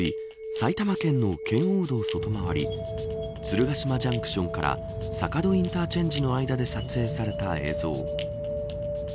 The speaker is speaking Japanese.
埼玉県の圏央道外回り鶴ヶ島ジャンクションから坂戸インターチェンジの間で撮影された映像。